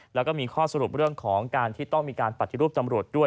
แล้วก็มีข้อสรุปเรื่องของการที่ต้องมีการปฏิรูปตำรวจด้วย